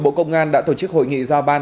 bộ công an đã tổ chức hội nghị giao ban